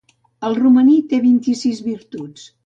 El romaní té vint-i-sis virtuts.